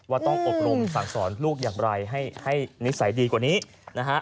ว่าต้องอบรมสั่งสอนลูกอย่างไรให้นิสัยดีกว่านี้นะฮะ